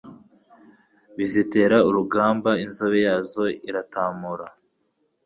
Baziteza urugambaInzobe yazo iratamura